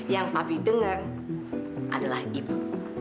yang papi denger adalah ibu